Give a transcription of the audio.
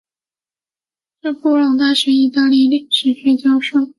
是布朗大学意大利历史教授。